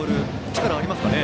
力ありますね。